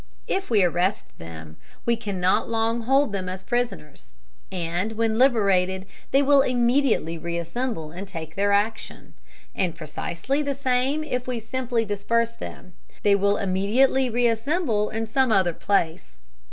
If we arrest them, we cannot long hold them as prisoners; and, when liberated, they will immediately reassemble and take their action. And precisely the same if we simply disperse them: they will immediately reassemble in some other place.